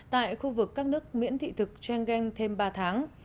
tại khu vực các nước miễn thị thực trangeng thêm ba tháng